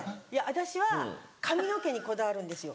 私は髪の毛にこだわるんですよ。